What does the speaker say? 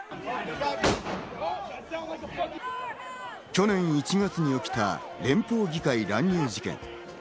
去年１月に起きた連邦議会乱入事件。